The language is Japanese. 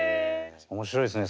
面白いですね